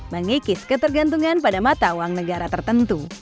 mengikis ketergantungan pada mata uang negara tertentu